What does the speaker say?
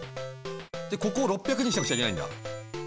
でここを６００にしなくちゃいけないんだ。